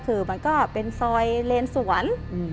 คือมันก็เป็นซอยเลนสวน